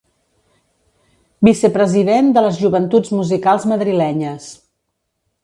Vicepresident de les Joventuts Musicals madrilenyes.